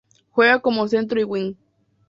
Juega como Centro y Wing.